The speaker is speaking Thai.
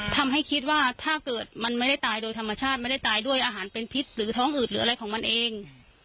ทำให้คิดว่าถ้าเกิดมันไม่ได้ตายโดยธรรมชาติไม่ได้ตายด้วยอาหารเป็นพิษหรือท้องอืดหรืออะไรของมันเอง